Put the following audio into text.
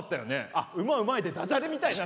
あっ馬うまいでダジャレみたいだ。